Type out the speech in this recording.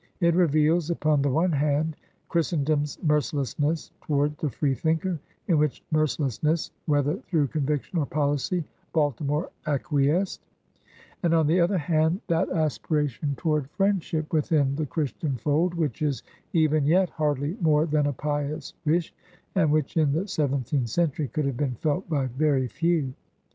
It reveals, upon the one hand, Christen dom's mercilessness toward the freethinker — in which mercilessness, whether through conviction or policy, Baltimore acquiesced — and, on the other hand, that aspiration towajrd friendship within the Christian fold which is even yet hardly more than a pious wish, and which in the seventeenth cen tury could have been felt by very few.